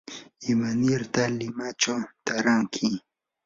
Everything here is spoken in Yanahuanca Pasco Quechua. ¿imanirta limachaw taaranki?